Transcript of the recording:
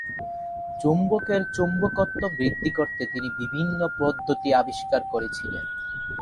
চুম্বকের চুম্বকত্ব বৃদ্ধি করতে তিনি বিভিন্ন পদ্ধতি আবিষ্কার করেছিলেন।